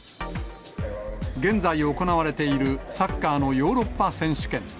現在行われているサッカーのヨーロッパ選手権。